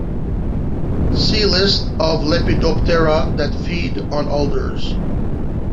See List of Lepidoptera that feed on alders.